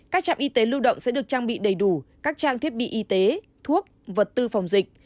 các trạm y tế lưu động sẽ được trang bị đầy đủ các trang thiết bị y tế thuốc vật tư phòng dịch